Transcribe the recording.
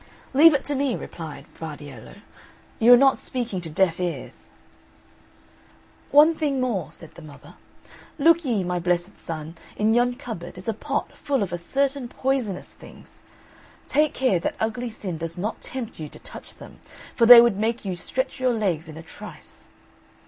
"Leave it to me," replied Vardiello, "you are not speaking to deaf ears." "One thing more," said the mother; "look ye, my blessed son, in yon cupboard is a pot full of certain poisonous things; take care that ugly Sin does not tempt you to touch them, for they would make you stretch your legs in a trice."